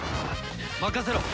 任せろ！